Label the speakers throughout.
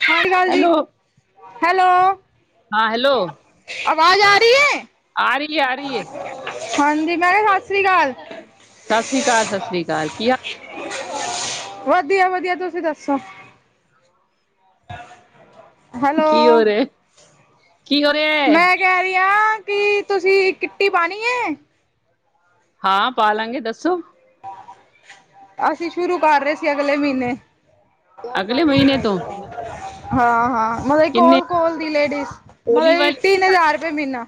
Speaker 1: ਸਤਿ ਸ੍ਰੀ ਅਕਾਲ ਜੀ,
Speaker 2: hello
Speaker 1: hello
Speaker 2: ਹਾਂ hello
Speaker 1: ਆਵਾਜ਼ ਆ ਰਹੀ ਏ
Speaker 2: ਆ ਰਹੀ ਹੈ ਆ ਰਹੀ ਹੈ
Speaker 1: ਹਾਂਜੀ ਮੈਮ ਸਤਿ ਸ਼੍ਰੀ ਅਕਾਲ।
Speaker 2: ਸਤਿ ਸ਼੍ਰੀ ਅਕਾਲ ਸਤਿ ਸ਼੍ਰੀ ਅਕਾਲ ਕੀ ਹਾਲ।
Speaker 1: ਵਧੀਆ-ਵਧੀਆ ਤੁਸੀਂ ਦੱਸੋ।
Speaker 2: ਕੀ ਹੋ
Speaker 1: ਹੈਲੋ
Speaker 2: ਰਿਹਾ ਕੀ ਹੋ ਰਿਹਾ ਹੈ?
Speaker 1: ਮੈਂ। ਕਹਿ ਰ ਆ ਕਿ ਤੁਸੀਂ ਕਿੱਟੀ ਪਾਣੀ ਏ।
Speaker 2: ਹਾਂ ਪਾਲਾਂਗੇ, ਦੱਸੋ।
Speaker 1: ਅਸੀਂ ਸ਼ੁਰੂ ਕਰ ਰਹੇ ਸੀ ਅਗਲੇ ਮਹੀਨੇ।
Speaker 2: ਅਗਲੇ ਮਹੀਨੇ। ਤੋਂ
Speaker 1: ਹਾਂ ਹਾਂ ਮੱਤਲਬ
Speaker 2: ਕਿੰਨੇ
Speaker 1: ਕੋਲ ਕੋਲ ਦੀ ਲਡੀਜ਼
Speaker 2: ਹੋਲੀ
Speaker 1: ਮਤਲਬ
Speaker 2: ਵਾਲੀ
Speaker 1: ਤਿੰਨ ਹਜ਼ਾਰ ਰੁਪਏ ਮਹੀਨਾ।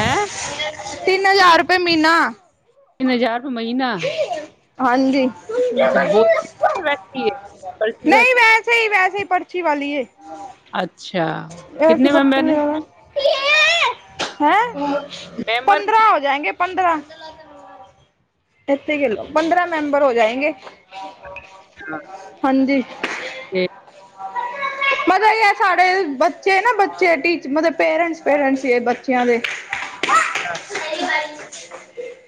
Speaker 2: ਹੈਂ।
Speaker 1: ਤਿੰਨ ਹਜ਼ਾਰ ਰੁਪਏ ਮਹੀਨਾ।
Speaker 2: ਤਿੰਨ ਹਜਾਰ ਰੁਪਏ ਮਹੀਨਾ
Speaker 1: ਹਾਂਜੀ।
Speaker 2: ਅੱਛਾ ਬੋ [inaudible]
Speaker 1: ਨਈ ਵੈਸੇ ਈ ਵੈਸੇ ਈ ਪਰਚੀ ਵਾਲੀ ਏ।
Speaker 2: ਅੱਛਾ
Speaker 1: ਏਹ ਤੇ
Speaker 2: ਕਿਤਨੇ
Speaker 1: ਬ ਤੀ
Speaker 2: ਮੈਂਬਰ
Speaker 1: [unintelligible]
Speaker 2: ਨੇ
Speaker 1: ਹੈਂ,
Speaker 2: ਮੈਂਬਰ ਕਿਤਨੇ
Speaker 1: ਪੰਦਰਾਂ ਹੋ ਜਾਏਗੇ, ਪੰਦਰਾਂ ਇੱਥੇ ਕਿਨੇ, ਪੰਦਰਾਂ ਮੈਂਬਰ ਹੋ ਜਾਏਗੇ
Speaker 2: ਹਾਂ [inaudible]
Speaker 1: ਹਾਂਜੀ, ਮਤਲਬ ਇਹ ਹੈ ਸਾਡੇ ਬਾ ਤੇ ਨਾ ਬੱਚੇ ਪੇਰੈਂਟਸ ਪੇਰੈਂਟਸ ਹੀ ਏ ਬੱਚਿਆਂ ਦੇ।
Speaker 2: ਅੱਛਾ।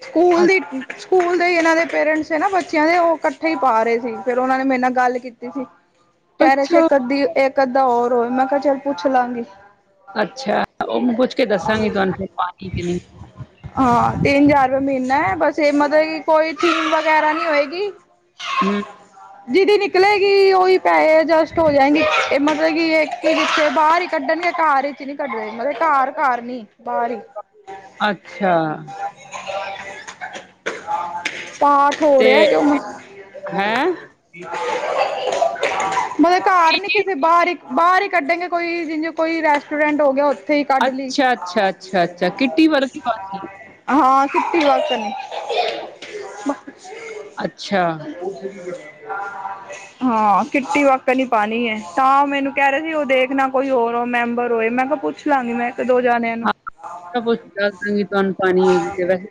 Speaker 1: ਸਕੂਲ ਦੀ, ਸਕੂਲ ਦੇ ਇਹਨਾਂ ਦੇ ਪੇਰੈਂਟਸ ਏ ਨਾ ਬੱਚਿਆਂ ਦੇ ਉਹ। ਉੱਥੇ ਪਾ ਰਹੇ ਸੀ ਫੇਰ ਉਹਨਾ ਨੇ ਮੇਰੇ ਨਾਲ ਗੱਲ ਕੀਤੀ ਸੀ ਕਹਿ ਰਹੇ ਸੀ,
Speaker 2: ਅੱਛਾ
Speaker 1: ਇੱਕ ਅੱਧਾ ਹੋਰ ਹੋਏ, ਮੈਂ ਕਿਹਾ ਚੱਲ ਪੁੱਛ ਲਾਂਗੀ।
Speaker 2: ਅੱਛਾ ਉਹੂੰ ਪੁੱਛ ਕੇ ਦੱਸਾਂਗੀ, ਤੁਹਾਨੂੰ ਫਿਰ ਪਾਣੀ ਕਿ ਨੀ।
Speaker 1: ਹਾਂ, ਤਿੰਨ ਹਜ਼ਾਰ ਰੁਪਏ ਮਹੀਨਾ ਹੈ ਬਸ ਇਹ ਮਤਲਬ ਕੋਈ ਥੀਮ ਵਗੈਰਾ ਨਹੀਂ ਹੋਏਗੀ।
Speaker 2: ਹਮ
Speaker 1: ਹ ਜਿਹਦੀ ਨਿਕਲੇਗੀ ਉਹੀ ਪੈਸੇ ਐਡਜਸਟ ਹੋ ਜਾਏਗੀ, ਇਹ ਮਤਲਬ ਕਿ ਇੱਕੇ ਬਾਹਰ। ਕੱਢਣਗੇ ਘਰ ਵਿਚ ਨੀ ਕੱਢ ਦੇ, ਮਲਤਬ ਘਰ ਘਰ ਨੀ ਬਾਹਰ ਹੀ।
Speaker 2: ਅੱਛਾ
Speaker 1: ਪਾਂ।
Speaker 2: ਤੇ, ਹੈਂ ਕਿ ਕੀ
Speaker 1: ਮਤਲਬ ਘਰ ਨੀ
Speaker 2: ਚੀਜ-
Speaker 1: ਕਿਸੇ ਬਾਹਰ ਹੀ ਬਾਹਰ ਹੀ ਕੱਢਣਗੇ ਕੋਈ ਜਿਂ ਕੋਈ ਰੈਸਟੋਰੈਂਟ ਹੋ ਗਿਆ, ਉੱਥੇ ਹੀ ਕੱਢ ਲਈ।
Speaker 2: ਅੱਛਾ, ਅੱਛਾ ਅੱਛਾ, ਅੱਛਾ ਕਿੱਟੀ ਵਕਨ ਦੀ
Speaker 1: ਹਾਂ, ਕਿਟੀ ਵਕਨ ਨੇ
Speaker 2: ਅੱਛਾ।
Speaker 1: ਹਾਂ ਅ। ਹਾਂ ਕਿੱਟੀ ਵੱਕਨ ਹੀ ਪਾਣੀ ਹੈ, ਤਾਂ ਮੈਨੂੰ ਕਹਿ ਰਿਹਾ ਸੀ ਉਹ ਦੇਖ ਨਾ ਕੋਈ ਹੋਰ ਹੋ ਮੈਂਬਰ ਹੋਏ ਮੈਂ ਕਿਹਾ ਪੁੱ ਲਾਂਗੀ ਮੈਂ, ਦੋ ਜਾਣੇ
Speaker 2: ਹਾਂ ਪੁੱਛ ਕੇ ਦੱਸ ਦਾਂਗੀ ਤੁਹਾਨੂੰ, ਪਾਣੀ ਹੋ ਤੇ ਵੈਸ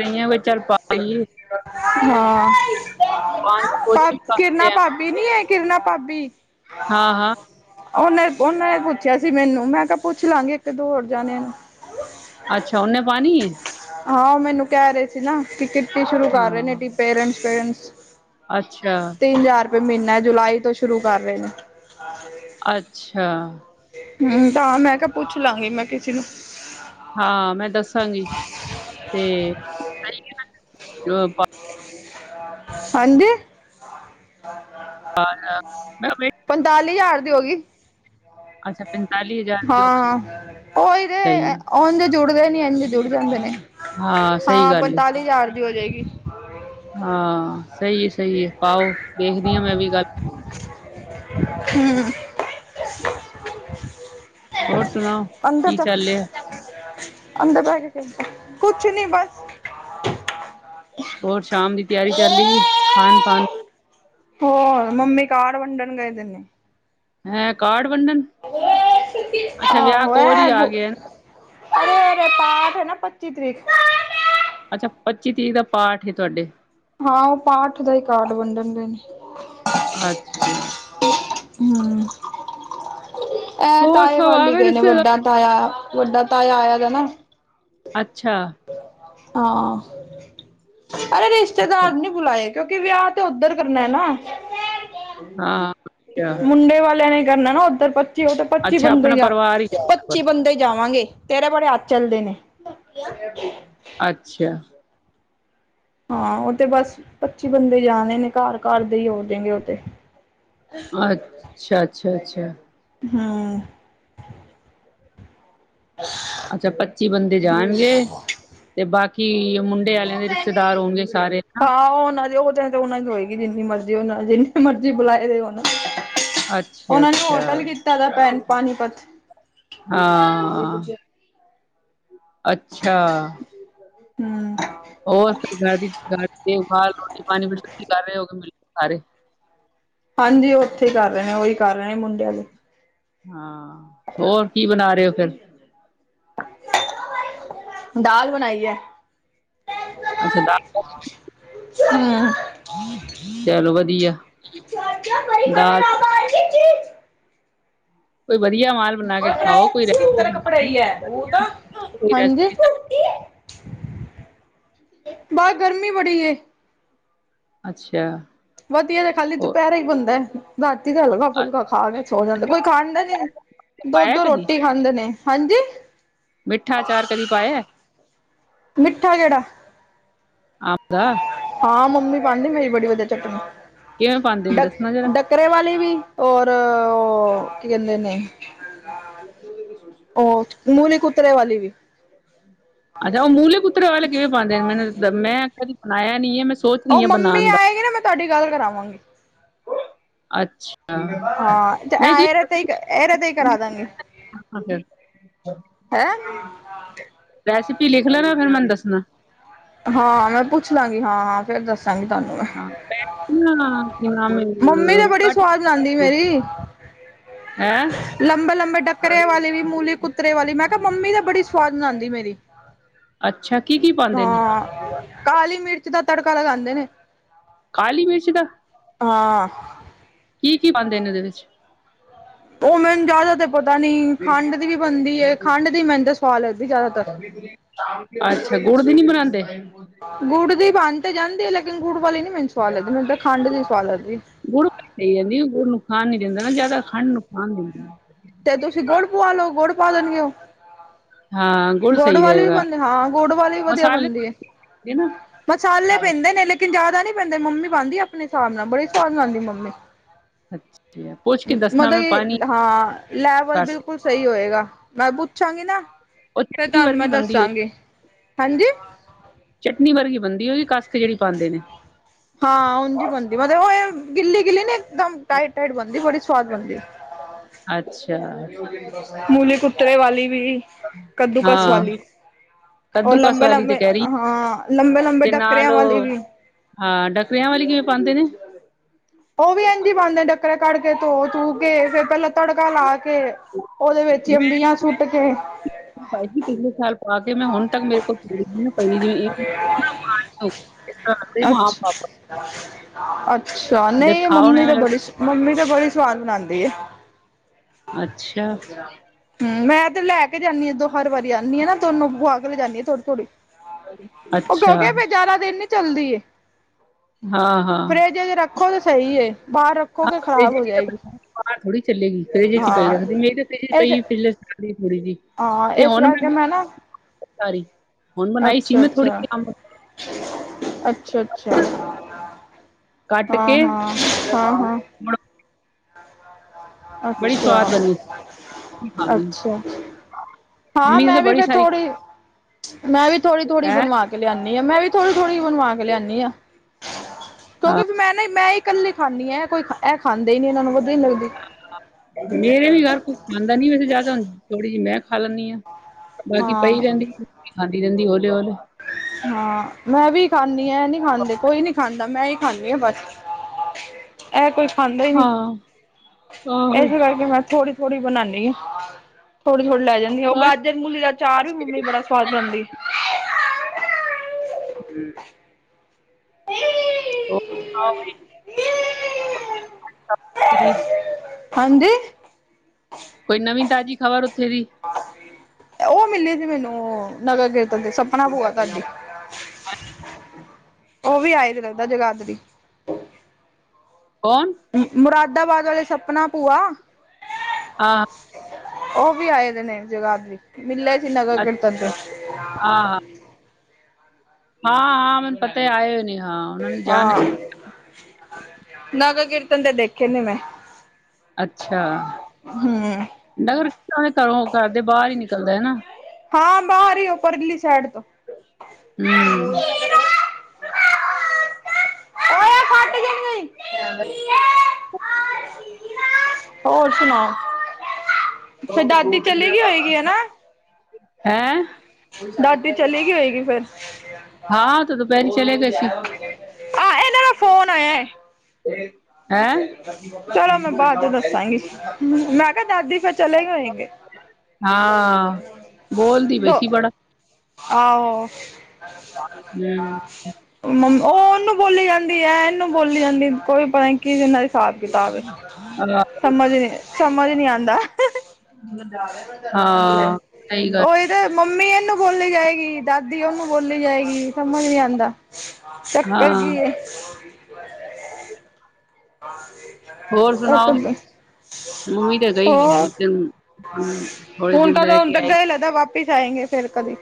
Speaker 2: ਰਹੀ ਚਲ ਪਾਨ ਦੀ
Speaker 1: ਹਾਂ
Speaker 2: ਕੋਸ਼ਸ਼ ਕਰਦੇ
Speaker 1: [unintelligible] ਨੀ ਹੈ ਕਿਰਨਾ ਭਾਬੀ
Speaker 2: ਹਾਂ ਹਾਂ।
Speaker 1: ਉਹਨੇ ਉਹਨੇ ਨੇ ਪੁੱਛਿਆ ਸੀ ਮੈਨੂੰ, ਮੈਂ ਕਿਹਾ ਪੁੱਛ ਲਾਂਗੀ ਇਕ ਦੋ ਹੋਰ ਜਾਣਿਆਂ ਨੂੰ।
Speaker 2: ਅੱਛਾ, ਉਹਨੇ ਪਾਣੀ ਹੈ।
Speaker 1: ਹਾਂ ਉਹ ਮੈਨੂੰ ਕਹਿ ਰਹੇ ਸੀ ਨਾ, ਕਿ ਕਿੱਟੀ ਸ਼ੁਰੂ ਕਰ ਰਹੇ ਨੇ
Speaker 2: ਹਾਂ,
Speaker 1: ਪੇਰੈਂਟਸ ਪੇਰੈਂਟਸ
Speaker 2: ਅੱਛਾ,
Speaker 1: ਤਿੰਨ ਹਜ਼ਾਰ ਰੁਪਏ ਮਹੀਨਾ ਹੈਂ ਜੁਲਾਈ ਤੋਂ ਸ਼ੁਰੂ ਕਰ ਰਹੇ ਨੇ।
Speaker 2: ਅੱਛਾ।
Speaker 1: ਹਮ, ਤਾਂ ਮੈਂ ਕਿਹਾ ਪੁੱਛ ਲਾਂਗੀ ਮੈਂ ਕਿਸੇ ਨੂੰ
Speaker 2: ਹਾਂ, ਮੈਂ ਦੱਸਾਂਗੀ ਤੇ ਓਹ।
Speaker 1: ਹਾਂਜੀ
Speaker 2: ਮੈਂ ਵੇਖ
Speaker 1: ਪੰਤਾਲੀ ਹਜ਼ਾਰ ਦੀ ਹੋ ਗਈ।
Speaker 2: ਅੱਛਾ ਦੀ ਹੋ ਗਈ
Speaker 1: ਹਾਂ ਉਹੀ ਤੇ
Speaker 2: ਸਹੀ
Speaker 1: ਉਹਦੇ ਜੁੜਦੇ ਨੀ ਇੰਜ਼। ਜੁੜ ਜਾਂਦੇ ਨੇ
Speaker 2: ਸਹੀ
Speaker 1: ਹਾਂ
Speaker 2: ਗੱਲ ਏ
Speaker 1: ਪੰਤਾਲੀ ਹਜ਼ਾਰ ਦੀ ਹੋ ਜਾਏਗੀ।
Speaker 2: ਹਾਂ ਸਹੀ ਹੈ। ਸਹੀ ਹੈ। ਪਾਓ ਦੇਖਦੀ ਹਾਂ ਮੈਂ ਵੀ ਕਲ।
Speaker 1: ਹੂੰ ਹੂੰ
Speaker 2: ਹੋਰ ਸੁਣਾਓ
Speaker 1: [unintelligible]
Speaker 2: ਕੀ ਚੱਲ ਰਿਹਾ?
Speaker 1: ਅੰਦਰ ਪੈ ਕੇ ਕੁਛ ਨੀ ਬਸ
Speaker 2: ਹੋਰ ਸ਼ਾਮ ਦੀ ਤਿਆਰੀ ਚੱਲ ਰੀ ਏ ਖਾਣ ਪਾਣ।
Speaker 1: ਹੋਰ ਮੰਮੀ ਕਾਰਡ ਵੰਡਣ ਗਏ ਦੇ ਨੇ।
Speaker 2: ਹਾ ਕਾਰਡ ਵੰਡਣ। ਅੱਛਾ ਵਿਆਹ
Speaker 1: ਆਹੋ।
Speaker 2: ਕੋਲ ਹੀ ਆ ਗਿਆ
Speaker 1: [unintelligible] ਪਾਠ ਹੈ ਨਾ ਪੱਚੀ ਤਰੀਕ।
Speaker 2: ਅੱਛਾ ਪੱਚੀ ਤਰੀਕ ਦਾ ਪਾਠ ਹੈ ਤੁਹਾਡੇ?
Speaker 1: ਹਾਂ ਉਹ ਪਾਠ ਦਾ ਹੀ ਕਾਰਡ ਵੰਡਣ ਗਏ ਨੇ।
Speaker 2: ਅੱਛਾ।
Speaker 1: ਹੂੰ ਇਹ
Speaker 2: ਹੋਰ
Speaker 1: ਤਾਏ
Speaker 2: ਸਭ
Speaker 1: ਵਲ
Speaker 2: ਆ
Speaker 1: ਈ ਗਏ ਨੇ
Speaker 2: ਰਿਸ਼ਤੇਦਾਰ
Speaker 1: ਵੱਡਾ ਤਾਇਆ ਵੱਡਾ ਤਾਇਆ ਆਇਆ ਦਾ ਨਾ।
Speaker 2: ਅੱਛਾ।
Speaker 1: ਹਾਂ ਅਰੇ
Speaker 2: ਅੱਛਾ
Speaker 1: ਰਿਸ਼ਤੇਦਾਰ ਨੀ ਬੁਲਾਏ। ਕਿਉਂਕਿ ਵਿਆਹ ਤੇ ਉੱਧਰ ਕਰਨਾ ਐ ਨਾ।
Speaker 2: ਹਾਂ ਅੱਛਾ
Speaker 1: ਮੁੰਡੇ ਵਾਲਿਆਂ ਨੇ ਕਰਨਾ ਨਾ ਉੱਧਰ ਤੇ ਉਹ ਤਾਂ ਪੱਚੀ
Speaker 2: ਅੱਛਾ
Speaker 1: ਬੰਦੇ
Speaker 2: ਆਪਣਾ
Speaker 1: ਹੀ ਜਾ
Speaker 2: ਪਰਿਵਾਰ ਹੀ ਜਾ ਰਿਹਾ
Speaker 1: ਪੱਚੀ
Speaker 2: ਬਸ
Speaker 1: ਬੰਦੇ ਜਾਵਾਂਗੇ ਤੇਰਾ ਬੜੇ ਹੱਥ ਚੱਲਦੇ ਨੇ।
Speaker 2: ਅੱਛਾ।
Speaker 1: ਹਾਂ ਉਹ ਤੇ ਬਸ ਪੱਚੀ ਬੰਦੇ ਜਾਣੇ ਨੇ ਘਰ ਘਰ ਦੇ ਹੀ ਹੋ ਜੇੰਗੇ ਉਹ ਤੇ।
Speaker 2: ਅੱਛਾ ਅੱਛਾ ਅੱ ਛਾ।
Speaker 1: ਹਾਂ।
Speaker 2: ਅੱਛਾ ਪੱਚੀ ਬੰਦੇ ਜਾਣਗੇ ਤੇ ਬਾਕੀ ਮੁੰਡੇ ਮੁੰਡੇ ਵਾਲਿਆਂ ਦੇ ਰਿਸ਼ਤੇਦਾਰ ਹੋਨਗੇ ਸਾਰੇ ਹੈਨਾ?
Speaker 1: ਆਓ ਨਾ ਉਹ ਤਾਂ। ਰੋਨਕ ਹੋਏਗੀ ਜਿੰਨੀ ਮਰਜ਼ੀ ਉਹ ਜਿੰਨੇ ਮਰਜ਼ੀ ਬੁਲਾਏ ਦੇ ਹੋਨ
Speaker 2: ਅੱਛਾ
Speaker 1: ਉਹਨਾਂ ਨੇ
Speaker 2: ਅੱਛਾ
Speaker 1: ਹੋਟਲ ਕੀਤਾ ਦਾ ਪੈ ਪਾਣੀਪਤ।
Speaker 2: ਹਾਂ। ਅੱਛਾ।
Speaker 1: ਹਮ
Speaker 2: ਹੋਰ ਠੀਕ ਠਾਕ ਜੀ [unintelligible] ਪਾਣੀ [inaudible] ਕਰ ਰਹੇ [inaudible]
Speaker 1: ਹਾਂਜੀ ਉਹ ਉੱਥੇ ਹੀ ਕਰ ਰਹੇ ਨੇ ਉਹੀ ਕਰ ਰਹੇ ਨੇ ਮੁੰਡਿਆਂ ਦੇ।
Speaker 2: ਹਾਂ ਹੋਰ ਕੀ ਬਣਾ ਰਹੇ ਹੋ ਫੇਰ?
Speaker 1: ਦਾਲ ਬਣਾਈ ਐ।
Speaker 2: ਅੱਛਾ ਦਾਲ ਕੋ।
Speaker 1: [inaudible]
Speaker 2: ਚਲੋ ਵਧੀਆ
Speaker 1: ਹੂੰ
Speaker 2: ਦਾਲ
Speaker 1: [unintelligible]
Speaker 2: ਕੋਈ ਵਧੀਆ ਮਾਲ ਬਣਾ ਕੇ ਖਾਓ ਕੋਈ
Speaker 1: ਕਿੱਧਰ
Speaker 2: ਰੈਸਿਪਈ।
Speaker 1: ਕਪੜਾਈ ਹੈ ਉਹ ਤਾਂ ਬਸ ਗਰਮੀ ਬੜੀ ਏ
Speaker 2: ਅੱਛਾ
Speaker 1: ਵਧੀਆ ਤੇ ਖਾਨਾ
Speaker 2: ਹੋਰ
Speaker 1: ਦੂਪਹਿਰਾ ਈ ਬਣਦਾ। ਰਾਤੀ ਤੇ ਹਲਕਾ ਫੁਲਕਾ ਖਾ ਕੇ ਸੋ ਜਾਂਦਾ ਕੋਈ ਖਾਂਦਾ ਨੀ ਦੋੱ
Speaker 2: ਪਾਇਆ
Speaker 1: ਦੋ
Speaker 2: ਕਦੀ
Speaker 1: ਰੋਟੀ ਖਾਂਦੇ ਨੇ। ਹਾਂਜੀ
Speaker 2: ਮਿੱਠਾ ਅਚਾਰ ਕਦੀ ਪਾਇਆ?
Speaker 1: ਮਿੱਠਾ ਕਿਹੜਾ
Speaker 2: ਆਮ ਦਾ
Speaker 1: ਹਾਂ ਮੰਮੀ ਪਾਉਂਦੀ ਮੇਰੀ ਬੜੀ ਵਧੀਆ
Speaker 2: ਕਿਵੇਂ ਪਾਉਂਦੇ ਨੇ
Speaker 1: ਡਕ
Speaker 2: ਦੱਸਣਾ ਜਰਾ
Speaker 1: ਡਕ। [unintelligible] ਵਾਲੀ ਵੀ ਔਰ ਓ ਕੀ ਕਹਿੰਦੇ ਨੇ ਓਚ ਮੂਲੀ ਕੁੂਤਰੇ ਵਾਲੀ ਵੀ।
Speaker 2: ਅੱਛਾ ਉਹ ਮੂਲੇ ਕੁੱਤਰੇ ਵਾਲੇ ਕਿਵੇਂ ਪਾਉਂਦੇ ਨੇ ਮੈਨੂੰ ਮੈਂ ਕਦੀ ਬਣਾਇਆ ਨੀ ਹੈ ਮੈਂ ਸੋਚ
Speaker 1: ਉਹ
Speaker 2: ਰਹੀ ਹਾਂ
Speaker 1: ਮੰਮੀ
Speaker 2: ਬਣਾਉਣ ਦਾ
Speaker 1: ਆਏਗੀ ਨਾ ਮੈਂ ਤੁਹਾਡੀ ਗੱਲ ਕਰਾਵਾਂਗੀ।
Speaker 2: ਅੱਛਾ
Speaker 1: ਹਾਂ ਤੇ ਇਹਦੇ ਤੇ ਹੀ
Speaker 2: ਨਹੀਂ
Speaker 1: ਇਹਦੇ ਤੇ ਹੀ ਕਰਾ ਦਾਂਗੇ ਹੈਂ
Speaker 2: [unintelligible] [unintelligible] ਰੈਸੀਪੀ ਲਿਖ ਲੈਣਾ ਫੇਰ ਮੈਨੂੰ ਦੱਸਣਾ।
Speaker 1: ਹਾਂ ਮੈਂ ਪੁੱਛ ਲਾਂਗੀ ਹਾਂ, ਹਾਂ ਫੇਰ ਦੱਸਾਂਗੀ ਤੁਹਾਨੂੰ ਮੈਂ।
Speaker 2: ਹਾਂ ਪਹਿਲਾਂ ਕੀ ਨਾਮ
Speaker 1: ਮੰਮੀ ਤੇ ਬੜੀ ਸਵਾਦ ਬਣਾਦੀ
Speaker 2: ਕੱਟ
Speaker 1: ਮੇਰੀ।
Speaker 2: ਹੈਂ
Speaker 1: ਲੰਬੇ-ਲੰਬੇ ਡੱਕਰੇ ਵਾਲੀ ਵੀ, ਮੂਲੀ ਕੁੱਤਰੇ ਵਾਲੀ ਮੈਂ ਕਿਹਾ ਮੰਮੀ ਤਾਂ ਬੜੀ ਸਵਾ ਸੁਆਦ ਬਣਾਦੀ ਮੇਰੀ।
Speaker 2: ਅੱਛਾ। ਕੀ ਕੀ ਪਾਉਂਦੇ ਨੇ
Speaker 1: ਹਾਂ, ਕਾਲੀ ਮਿਰਚ ਦਾ ਤੜਕਾ ਲਗਾਉਂਦੇ ਨੇ।
Speaker 2: ਕਾਲੀ ਮਿਰਚ ਦਾ?
Speaker 1: ਹਾਂ
Speaker 2: ਕੀ, ਕੀ ਪਾਂਦੇ ਨੇ ਓਹਦੇ ਵਿੱਚ?
Speaker 1: ਉਹ ਮੈਨੂੰ ਜ਼ਿਆਦਾ ਤੇ ਪਤਾ ਨੀ ਖੰਡ ਦੀ ਵੀ ਬਣਦੀ ਏ ਖੰਡ ਦੀ ਮੈਨੂੰ ਤੇ ਸਵਾਦ ਲਗਦੀ ਜ਼ਿਆਦਾਤਰ।
Speaker 2: [inaudible] ਅੱਛਾ ਗੁੜ ਦੀ ਨੀ ਬਣਾਉਂਦੇ।
Speaker 1: ਗੁੜ ਦੀ ਬਣ ਤਾਂ ਜਾਂਦੀ ਹੈ ਲੇਕਿਨ ਗੁੜ ਵਾਲੀ ਨੀ ਮੈਨੂੰ ਸਵਾਦ ਲਗਦੀ ਮੈਨੂੰ ਤਾਂ ਖੰਡ ਦੀ ਸਵਾਦ ਲੱਗਦੀ ਹੇ।
Speaker 2: ਗੁੜ [unintelligible] ਪ ਜਾਂਦੀ ਗੁੜ ਨੁਕਸਾਨ ਨੀ ਦਿੰਦਾ ਨਾ ਜਿਆਦਾ ਖੰਡ ਨੁਕਸਾਨ ਦਿੰਦੀ।
Speaker 1: ਤੇ ਤੁਸੀਂ ਗੁੜ ਪਵਾ ਲੋ। ਗੁੜ ਪਾ ਦੇਣਗੇ ਓ।
Speaker 2: ਹਾਂ
Speaker 1: ਗੁੜ
Speaker 2: ਸਹੀ
Speaker 1: ਵਾਲੀ ਵੀ
Speaker 2: ਰਹੇਗਾ
Speaker 1: ਬਣਦੇ ਹਾਂ ਗੁੜ ਵਾਲੀ ਵੀ ਵਧੀਆ
Speaker 2: ਮਸਾਲੇ
Speaker 1: ਬਣਦੀ ਹੈ
Speaker 2: ਪਾਉਂਦੇ ਨਾ
Speaker 1: ਪਛਾਲੇ ਪੈਂਦੇ ਨੇ ਲਿਕ ਲੇਕਿਨ ਜਿਆਦਾ ਨੀ ਪੈਂਦਾ, ਮੰਮੀ ਪਾਂਦੀ ਆਪਣੇ ਹਿਸਾਬ ਨਾਲ ਬੜੀ ਸਵਾਦ ਬਣਾਦੀ ਮੰਮੀ।
Speaker 2: ਅੱਛਾ ਪੁੱਛ ਕੇ
Speaker 1: [unintelligible]
Speaker 2: ਦੱਸਣਾ ਮੈਂ ਪਾਣੀ
Speaker 1: ਹਾਂ ਲੈਵਲ
Speaker 2: ਕਸ
Speaker 1: ਬਿਲਕੁਲ ਸਹੀ ਹੋਏਗਾ ਮੈਂ ਪੁੱਛਾਂਗੀ ਨਾ
Speaker 2: ਉਹ
Speaker 1: ਫੇਰ
Speaker 2: ਚਟਨੀ
Speaker 1: ਤੁਹਾਨੂੰ
Speaker 2: ਵਰਗੀ
Speaker 1: ਮੈਂ
Speaker 2: ਬਣਦੀ ਹੋਏ
Speaker 1: ਦੱਸਾਂਗੀ। ਹਾਂਜੀ
Speaker 2: ਚਟਨੀ ਵਰਗੀ ਬਣਦੀ ਹੋਗੀ ਕਸਕ ਜਿਹੜੀ ਪਾਂਦੇ ਨੇ।
Speaker 1: ਹਾਂ ਉਝ ਈ ਬਣਦੀ ਮਤਲਬ ਉਹ ਏ ਗਿੱਲੀ- ਗਿੱਲੀ ਨੀ ਇਕਦਮ ਟਾਈਟ-ਟਾਈਟ ਬਣਦੀ ਬੜੀ ਸਵਾਦ ਬਣਦੀ।
Speaker 2: ਅੱਛਾ
Speaker 1: ਮੂਲੀ ਕੁੂਤਰੇ ਵਾਲੀ ਵੀ ਕੱਦੂਕਸ
Speaker 2: ਹਾਂ
Speaker 1: ਵਾਲੀ ਉਹ
Speaker 2: ਕੱਦੂ ਕਸ
Speaker 1: ਲੰਬੇ
Speaker 2: ਵਾਲੀ ਤੇ
Speaker 1: ਲੰਬੇ
Speaker 2: ਕਹਿ ਰਹੀ ਆ
Speaker 1: ਹਾਂ ਲੰਬੇ ਲੰਬੇ
Speaker 2: ਤੇ ਨਾਲ
Speaker 1: ਡੱਕਰਿਆਂ ਵਾਲੀ
Speaker 2: ਉਹ
Speaker 1: ਵੀ।
Speaker 2: ਹਾਂ ਡੱਕਰਿਆਂ ਵਾਲੀ ਕਿਵੇਂ ਪਾਉਂਦੇ ਨੇ
Speaker 1: ਉਹ ਵੀ ਇਹਿੰਦੀ ਬਣਦੇ ਡੱਕਰੇ ਕੱਢਕੇ ਧੋ ਧੂ ਕੇ ਫੇਰ ਪਹਿਲਾਂ ਤੜਕਾ ਲਾ ਕੇ ਉਹਦੇ ਵਿੱਚ
Speaker 2: ਮੈਂ
Speaker 1: ਅੰਬੀਆਂ ਸੁੱਟ ਕੇ
Speaker 2: ਬਾਈ ਜੀ ਪਿਛਲੇ ਸਾਲ ਆ ਕੇ ਮੈਂ ਹੁਣ ਤੱਕ ਮੇਰੇ ਕੋਲ ਪਈ। ਇਸ ਤਰ੍ਹਾਂ ਲੱਗਦੇ ਮਾਂ ਪਾਪਾ
Speaker 1: ਅੱਛਾ-ਅੱਛਾ
Speaker 2: ਜਦ
Speaker 1: ਨਹੀਂ
Speaker 2: ਖਾਓ ਨੇ
Speaker 1: ਮੰਮੀ
Speaker 2: ਐਵੇਂ
Speaker 1: ਤਾਂ ਬੜੀ
Speaker 2: ਲੱਗਦਾ
Speaker 1: ਮੰਮੀ ਤਾਂ ਬੜੀ ਸਵਾਦ ਬਣਾਂਦੀ ਐ।
Speaker 2: ਅੱਛਾ
Speaker 1: ਹਮ ਮੈਂ ਤੇ ਲੈ ਕੇ ਜਾਨੀ ਹਾਂ ਦੋ ਹਰ ਵਾਰੀ ਆਂਦੀ ਆ ਨਾ ਦੋਨੋ ਗੁਵਾ ਕੇ ਲੈਜਾਂਦੀ ਆ ਥੋੜੀ ਥੋੜੀ। ਉਹ
Speaker 2: ਅੱਛਾ
Speaker 1: ਕਿਉਂਕਿ ਬ ਜ਼ਾਰਾ ਦਿਨ ਨੀ ਚੱਲਦੀ।
Speaker 2: ਹਾਂ ਹਾਂ
Speaker 1: ਫਰਿੱਜ ਏਜ ਰੱਖੋ ਤੇ ਸਹੀ ਏ ਬਾਹਰ ਰੱਖ
Speaker 2: [unintelligible] ਬਾਹਰ ਥੋੜੀ ਚੱਲਗੀ ਇਹਦੇ ਚ
Speaker 1: ਹਾਂ
Speaker 2: ਪਈ ਮੇੜੇ ਤੇ
Speaker 1: ਇਸ
Speaker 2: ਪਾਈ ਸ ਥੋੜੀ ਜਿ
Speaker 1: ਹਾਂ
Speaker 2: ਤੇ
Speaker 1: ਇਸ
Speaker 2: ਹੁਣ
Speaker 1: ਕਰਕੇ ਮੈਂ ਨਾ
Speaker 2: ਮਾਰੀ ਹੁਣ ਬਣਾਈ ਸੀ ਮੈਂ ਥੋੜੀਮ ਅੰਬ
Speaker 1: ਅੱਛਾ-ਅੱਛਾ
Speaker 2: ਕੱਟ
Speaker 1: ਹਾਂ
Speaker 2: ਕੇ
Speaker 1: ਹਾਂ ਹਾਂ ਹਾਂ
Speaker 2: [unintelligible] ਬੜੀ ਸਵਾਦ ਬਣੀ
Speaker 1: ਅੱਛਾ-
Speaker 2: ਮੰਮੀ
Speaker 1: ਅੱਛਾ। ਹਾਂ
Speaker 2: ਨੇ
Speaker 1: ਮੈਂ
Speaker 2: ਤਾਂ
Speaker 1: ਵੀ
Speaker 2: ਬੜੀ
Speaker 1: ਫੇਰ
Speaker 2: ਸਾਰੀ
Speaker 1: ਥੋੜ੍ਹੀ ਮੈਂ ਵੀ ਥੋੜੀ ਥੋੜ੍ਹੀ
Speaker 2: ਹੈਂ
Speaker 1: ਬਣਵਾ ਲਿਆਨੀ ਹਾਂ ਮੈਂ ਵੀ ਥੋੜ੍ਹੀ ਥੋੜ੍ਹੀ ਬਣਵਾ ਕੇ ਲਿਆਨੀ ਹਾਂ
Speaker 2: ਹਾਂ
Speaker 1: ਕਿਉਂਕਿ ਮੈਂ ਨਾ ਮੈਂ ਇੱਕ ਇਕੱਲੇ ਖਾਂਦੀ ਐ ਇਹ ਕੋਈ ਇਹ ਖਾਂਦੇ ਹੀ ਨੀ ਇਹਨਾਂ ਨੂੰ ਵਧੀ ਨੀ ਲੱਗਦੀ।
Speaker 2: ਮੇਰੇ ਵੀ ਘਰ ਕੋ ਖਾਂਦਾ ਨੀ ਵੈਸ ਜ਼ਿਆਦਾ ਹੁਣ ਥੋੜੀ ਜਿਹੀ ਮੈਂ ਖਾ ਲੈਂਦੀ ਹਾਂ ਬਾਕੀ ਪਈ
Speaker 1: ਹਾਂ
Speaker 2: ਰਹਿੰਦੀ ਖਾਂਦੀ ਰਹਿੰਦੀ ਹੌਲੇ-ਹੌਲੇ
Speaker 1: ਹਾਂ ਮੈਂ ਵੀ ਖਾਂਦੀ ਇਹ ਨੀ ਖਾਂਦੇ ਕੋਈ ਨੀ ਖਾਂਦਾ ਮੈਂ ਈ ਖਾਂਣੀ ਆ ਬਸ ਇਹ ਕੋਈ ਖਾਂਦਾ ਹੀ ਨਹੀਂ
Speaker 2: ਹਾਂ ਆਹੋ
Speaker 1: ਇਸੇ ਕਰਕੇ ਮੈਂ ਥੋੜੀ ਥੋੜ੍ਹੀ ਬਣਾਨੀ ਐ ਥੋੜੀ-ਥੋੜੀ ਲੈ ਜਾਂਦੀ ਆ। ਉਹ
Speaker 2: ਆਹ
Speaker 1: ਗਾਜਰ ਮੂਲੀ ਦਾ ਚਾਰ ਵੀ
Speaker 2: ਖਾਸ ਕੇ
Speaker 1: ਮੰਮੀ
Speaker 2: ਜਿਹੜੀ
Speaker 1: ਬੜਾ
Speaker 2: ਹੁੰਦੀ
Speaker 1: ਸਵਾਦ
Speaker 2: ਨਾ,
Speaker 1: ਬਣਾਦੀ।
Speaker 2: ਹਮ ਆ [inaudible]
Speaker 1: ਹਾਂਜੀ
Speaker 2: ਕੋਈ ਨਵੀਂ ਤਾਜ਼ੀ ਖ਼ਬਰ ਉੱਥੇ ਦੀ
Speaker 1: ਉਹ ਮਿਲੀ ਸੀ। ਮੈਨੂੰ ਨਗਰ ਕੀਰਤਨ ਤੇ ਸਪਨਾ ਬੂਆ ਤੁਹਾਡੀ ਉਹ ਵੀ ਆਏ ਤੇ ਲੱਗਦਾ ਜਗਾਦਰੀ
Speaker 2: ਕੌਣ?
Speaker 1: ਮੁਰਾਦਾਬਾਦ ਵਾਲੇ ਸਪਨਾ ਭੂਆ
Speaker 2: ਆਹ
Speaker 1: ਉਹ ਵੀ ਆਏ ਨੇ ਜਗਾਦਰੀ ਮਿਲੇ ਸੀ ਨਗਰ ਕੀਰਤਨ ਤੋਂ
Speaker 2: ਅੱਛਾ ਹਾਂ-ਹਾਂ ਮੈਨੂੰ ਪਤਾ ਆਏ ਹੋਏ ਨੇ। ਹਾਂ ਉਹਨਾਂ ਨੇ
Speaker 1: ਹਾਂ
Speaker 2: ਜਾਣਾ
Speaker 1: ਨਗਰ ਕੀਰਤ ਤੇ ਦੇਖੇ ਨੇ ਮੈਂ।
Speaker 2: ਅੱਛਾ ਨਗਰ ਰਸਤਾ ਵੀ ਘਰੋਂ ਘਰਦੇ ਬਾਹਰ ਹੀ ਨਿਕਲਦਾ ਐ ਨਾ
Speaker 1: ਹਾਂ ਬਾਹਰ ਹੀ ਹੋ ਪਰਲੀ ਸੈਡ ਤੋਂ
Speaker 2: ਹੂੰ।
Speaker 1: ਉਹ ਇਹ ਫੱਟ ਗੇ ਨੇ।
Speaker 2: [unintelligible]
Speaker 1: ਹੋਰ ਸੁਣਾਓ ਫਿਰ ਦਾਦੀ ਚਲੇ ਗਈ ਹੋਏਗੀ ਹਨਾ।
Speaker 2: ਹੈ।
Speaker 1: ਦਾਦੀ ਚਲੀ ਗਈ ਹੋਏਗੀ ਫੇਰ
Speaker 2: ਹਾਂ, ੳਹਤਾ ਦੁਪਹਿਰੀ ਚਲੇ ਗਏ ਸੀ।
Speaker 1: ਆ ਇਹਨਾਂ ਦਾ ਫੋਨ ਆਇਆ ਹੈ
Speaker 2: ਹੈ
Speaker 1: ਚਲੋ ਮੈਂ ਬਾਅਦ ਚ ਦੱਸਾਂਗੀ ਮੈਂ ਕਿਹਾ ਦਾਦੀ ਫਿਰ ਚੱਲ
Speaker 2: ਹਾਂ, ਬੋਲਦੀ ਪਈ
Speaker 1: ਦੋ
Speaker 2: ਸੀ ਬੜਾ
Speaker 1: ਆਹੋ
Speaker 2: ਹਮ
Speaker 1: ਮੰ ਉਹ ਉਹਨੂੰ ਬੋਲੀ ਜਾਂਦੀ ਹੈ ਏ ਇਹਨੂੰ ਬੋਲੀ ਜਾਂਦੀ ਕੋਈ ਪਤਾ ਨੀ ਕੀ ਦੇ ਨਾ ਹਿਸਾਬ ਕਿਤਾਬ ਸਮਝ ਨੀ ਸਮਝ ਨੀ ਆਉਂਦਾ
Speaker 2: ਹਾਂ ਸਹੀ ਗੱਲ
Speaker 1: ਇਹ ਤਾਂ ਮੰਮੀ ਇਹਨੂੰ ਬੋਲੀ ਜਾਏਗੀ ਦਾਦੀ ਨੂੰ ਬੋਲੀ ਜਾਏਗੀ ਸਮਝ ਨੀ ਆਉਂਦਾ ਚੱਕਰ
Speaker 2: ਹਾਂ
Speaker 1: ਕੀ ਹੈ
Speaker 2: ਹੋਰ
Speaker 1: ਔਰ
Speaker 2: ਸੁਣਾਓ
Speaker 1: ਕਿੱਧਰ ਹਾਂ
Speaker 2: ਮੰਮੀ ਤੇ ਗਈ
Speaker 1: ਉਹ
Speaker 2: ਉਸ ਦਿਨ ਥੋੜੇ
Speaker 1: ਹੁਣ
Speaker 2: ਦਿਨ ਰਹਿ
Speaker 1: ਕਦੋਂ
Speaker 2: ਕੇ ਆਏਗੀ
Speaker 1: ਅੰਦਰ ਲੱਗਦਾ ਸ ਆਏਗੇ ਫੇਰ ਕਦੀ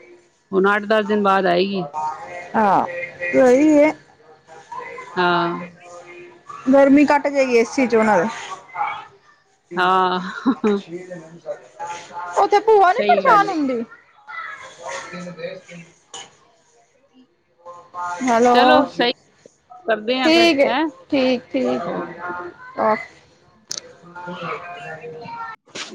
Speaker 2: ਹੁਣ ਅੱਠ ਦਸ ਦਿਨ ਬਾਅਦ ਆਏਗੀ
Speaker 1: ਆ [unintelligible] ਕੋਈਏ
Speaker 2: ਹਾਂ।
Speaker 1: ਗਰਮੀ ਘੱਟ ਜਾਏਗੀ ਏਸੀ ਚ ਉਹਨਾਂ ਦੇ।
Speaker 2: ਹਾਂ
Speaker 1: ਉੱਥੇ ਭੂਆ ਨੀ
Speaker 2: ਸਹੀ
Speaker 1: ਪਰੇਸ਼ਾਨ
Speaker 2: ਗੱਲ ਏ
Speaker 1: ਹੁੰਦੀ
Speaker 2: ਤੈਨੂੰ ਵੇਸ ਠੀਕ।
Speaker 1: ਹੈਲੋ,
Speaker 2: ਕਰਦੇ ਆ ਫਿਰ
Speaker 1: ਠੀਕ ਏ
Speaker 2: ਹੈਂ।
Speaker 1: ਠੀਕ ਠੀਕ। ਆਹ
Speaker 2: [unintelligible]